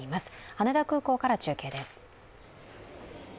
羽田空港から中継です。